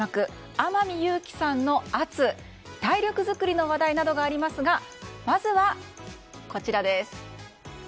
天海祐希さんの圧体力作りの話題などがありますがまずは、こちらです。